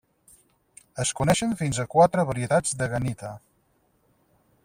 Es coneixen fins a quatre varietats de gahnita.